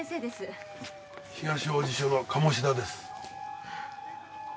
東王子署の鴨志田です。